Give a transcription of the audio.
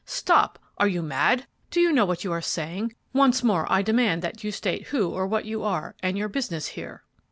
'Stop! are you mad?" Do you know what you are saying? Once more I demand that you state who or what you are, and your business here!'